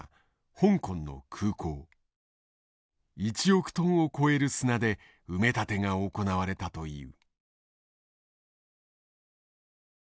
１億トンを超える砂で埋め立てが行われたという。